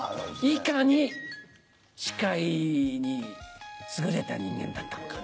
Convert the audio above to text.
いかに司会に優れた人間だったのか。